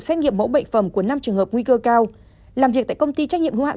xét nghiệm mẫu bệnh phẩm của năm trường hợp nguy cơ cao làm việc tại công ty trách nhiệm hữu hạn